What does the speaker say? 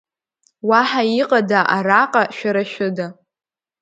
Уаҳа иҟада араҟа шәара шәыда?